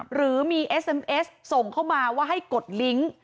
หรือมีเอสเอ็มเอสส่งเข้ามาว่าให้กดลิงค์